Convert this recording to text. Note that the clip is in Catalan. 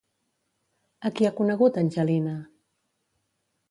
A qui ha conegut Angelina?